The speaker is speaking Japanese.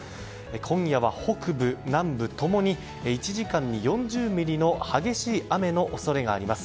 今夜は北部、南部共に１時間に４０ミリの激しい雨の恐れがあります。